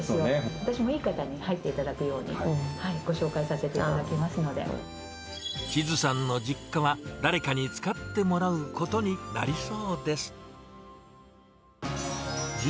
私もいい方に入っていただくように、ご紹介させていただきますの千都さんの実家は、誰かに使ってもらうことになりそうです。